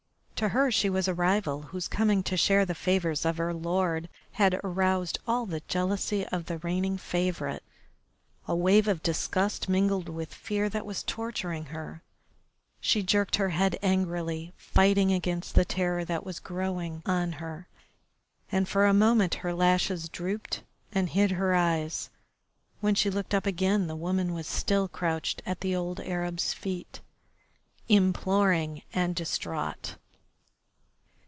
To her she was a rival, whose coming to share the favours of her lord had aroused all the jealousy of the reigning favourite. A wave of disgust mingled with the fear that was torturing her. She jerked her head angrily, fighting against the terror that was growing on her, and for a moment her lashes drooped and hid her eyes. When she looked up again the woman was still crouched at the old Arab's feet, imploring and distraught.